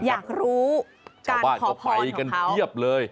อยากรู้การขอพรของเขา